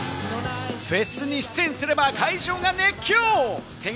フェスに出演すれば会場が熱狂！